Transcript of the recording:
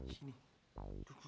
sini duduk dulu